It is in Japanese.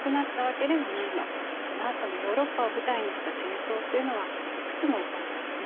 そのあともヨーロッパを舞台にした戦争というのはいくつも起こるからね。